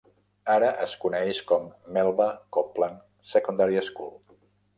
Ara es coneix com Melba Copland Secondary School.